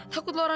bangun dong ra